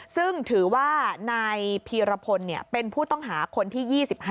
ซึ่งถือว่านายพีรพลเป็นผู้ต้องหาคนที่๒๕